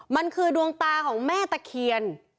มันคือดวงตาของแม่ตะเคียน